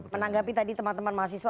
menanggapi tadi teman teman mahasiswa